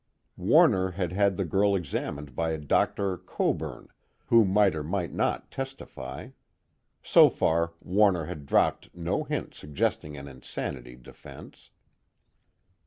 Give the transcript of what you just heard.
Warner had had the girl examined by a Dr. Coburn, who might or might not testify; so far Warner had dropped no hint suggesting an insanity defense.